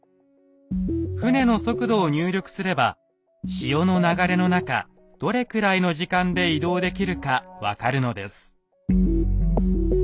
船の速度を入力すれば潮の流れの中どれくらいの時間で移動できるか分かるのです。